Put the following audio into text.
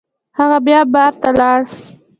هغه بیا بار ته لاړ.